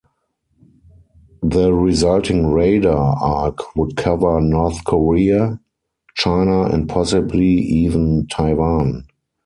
The resulting radar arc would cover North Korea, China and possibly even Taiwan.